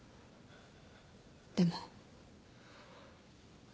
でも。